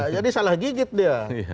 jadi salah gigit dia